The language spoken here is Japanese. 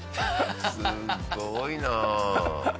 すごいな。